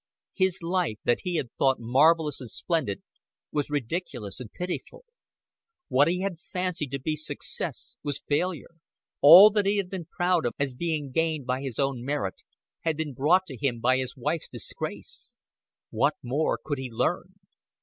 His life that he had thought marvelous and splendid was ridiculous and pitiful; what he had fancied to be success was failure; all that he had been proud of as being gained by his own merit had been brought to him by his wife's disgrace. What more could he learn?